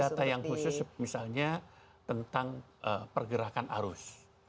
jadi data yang khusus misalnya tentang pergerakan arus